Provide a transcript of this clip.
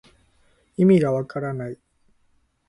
いみがわからない